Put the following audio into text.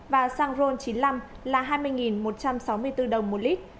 và xăng ron chín mươi năm là hai mươi một trăm sáu mươi bốn đồng một lít